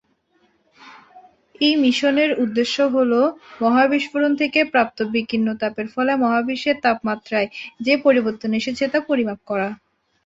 এই মিশনের উদ্দেশ্য হল, মহা বিস্ফোরণ থেকে প্রাপ্ত বিকীর্ণ তাপের ফলে মহাবিশ্বের তাপমাত্রায় যে পরিবর্তন এসেছে তা পরিমাপ করা।